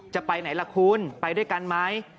จะไปไหนล่ะคุณไปด้วยกันไหม